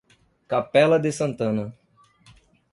Capela de Santana